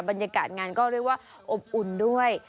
บรรยากาศงานก็เรียกว่าอบอุ่นด้วย